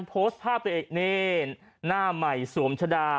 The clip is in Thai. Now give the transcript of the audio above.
โพสต์ภาพตัวเองนี่หน้าใหม่สวมชะดา